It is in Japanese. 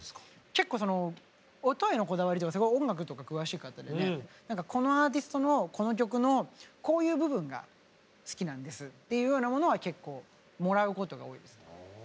結構その音へのこだわりとか音楽とか詳しい方でね何か「このアーティストのこの曲のこういう部分が好きなんです」っていうようなものは結構もらうことが多いですね。